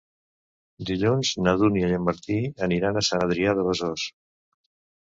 Dilluns na Dúnia i en Martí aniran a Sant Adrià de Besòs.